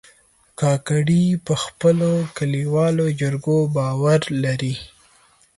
کاکړي په خپلو کلیوالو جرګو باور لري.